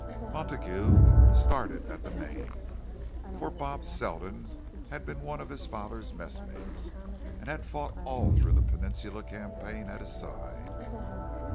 '" Montague started at the name—for "Bob" Selden had been one of his father's messmates, and had fought all through the Peninsula Campaign at his side.